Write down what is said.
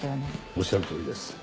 おっしゃるとおりです。